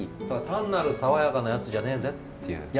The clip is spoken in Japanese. だから単なる爽やかなやつじゃねえぜっていう。